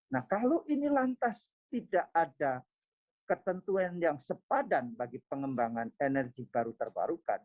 nah kalau ini lantas tidak ada ketentuan yang sepadan bagi pengembangan energi baru terbarukan